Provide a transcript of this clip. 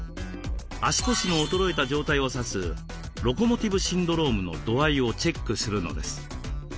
足腰の衰えた状態を指すロコモティブシンドロームの度合いをチェックするのです。